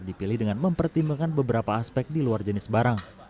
dipilih dengan mempertimbangkan beberapa aspek di luar jenis barang